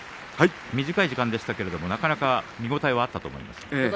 短い時間でしたがなかなか見応えがあったと思います。